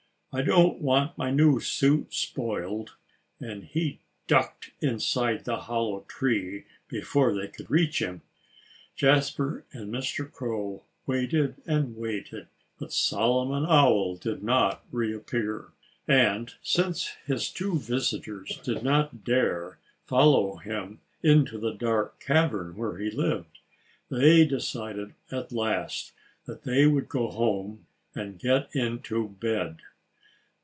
"I don't want my new suit spoiled." And he ducked inside the hollow tree before they could reach him. Jasper and Mr. Crow waited and waited. But Solomon Owl did not reappear. And since his two visitors did not dare follow him into the dark cavern where he lived, they decided at last that they would go home—and get into bed.